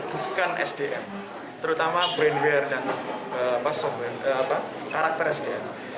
bukan sdm terutama brainware dan karakter sdm